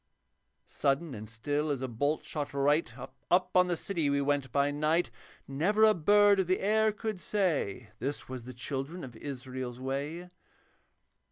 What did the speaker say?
Sudden and still as a bolt shot right Up on the city we went by night. Never a bird of the air could say, 'This was the children of Israel's way.'